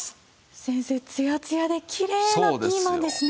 先生ツヤツヤできれいなピーマンですね。